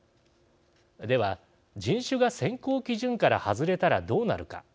では人種が選考基準から外れたらどうなるか。